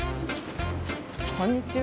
こんにちは。